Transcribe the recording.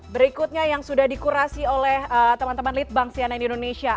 berikutnya yang sudah dikurasi oleh teman teman lead bank cnn indonesia